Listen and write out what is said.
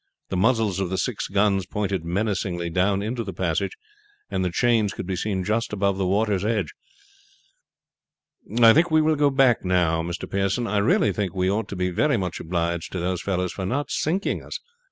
The muzzles of the six guns pointed menacingly down into the passage, and the chains could be seen just above the water's edge. "I think we will go back now, Mr. Pearson. I really think we ought to be very much obliged to those fellows for not sinking us.